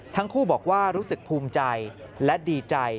ทั้งคู่บอกว่ารู้สึกภูมิใจและดีใจ